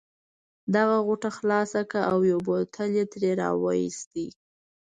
ده غوټه خلاصه کړه او یو بوتل یې ترې را وایست.